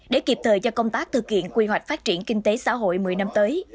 để kịp thời cho công tác thực hiện quy hoạch phát triển kinh tế xã hội một mươi năm tới